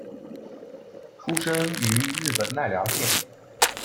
出身于日本奈良县。